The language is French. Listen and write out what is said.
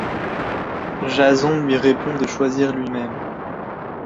Jason lui répond de choisir lui-même.